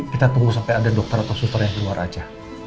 kita tunggu sampai ada dokter atau super yang keluar saja